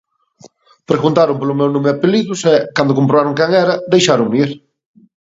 Preguntaron polo meu nome e apelidos e, cando comprobaron quen era, deixáronme ir.